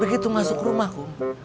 begitu masuk ke rumah kum